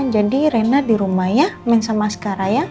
jadi rena dirumah ya main sama askara ya